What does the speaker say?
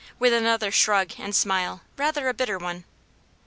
with another shrug and smile, rather a bitter one.